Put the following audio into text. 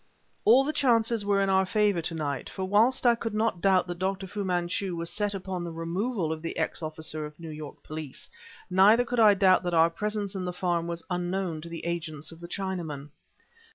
All the chances were in our favor to night; for whilst I could not doubt that Dr. Fu Manchu was set upon the removal of the ex officer of New York police, neither could I doubt that our presence in the farm was unknown to the agents of the Chinaman.